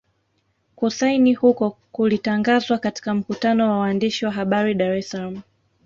Kusaini huko kulitangazwa katika mkutano wa waandishi wa habari Dar es Salaam